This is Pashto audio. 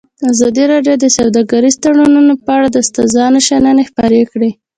ازادي راډیو د سوداګریز تړونونه په اړه د استادانو شننې خپرې کړي.